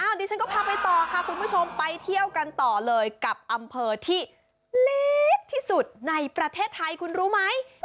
เดี๋ยวฉันก็พาไปต่อค่ะคุณผู้ชมไปเที่ยวกันต่อเลยกับอำเภอที่เล็กที่สุดในประเทศไทยคุณรู้ไหม